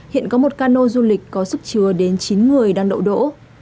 hiện có một cano du lịch có sức chứa đến chín người đang đậu đỗ